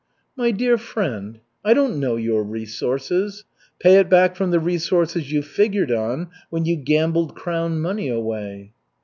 "My dear friend, I don't know your resources. Pay it back from the resources you figured on when you gambled crown money away."